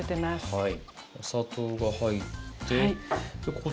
はい。